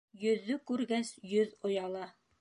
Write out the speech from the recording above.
Йөҙҙө күргәс йөҙ ояла.